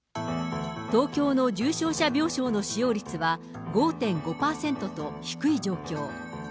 東京の重症者病床の使用率は５．５％と、低い状況。